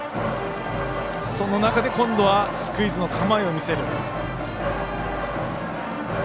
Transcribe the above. そんな中で今度はスクイズの構えを見せる。